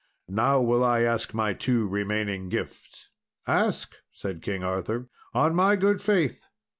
Now will I ask my two remaining gifts." "Ask," said King Arthur, "on my good faith."